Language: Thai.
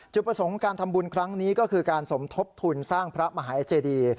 ประสงค์การทำบุญครั้งนี้ก็คือการสมทบทุนสร้างพระมหาเจดี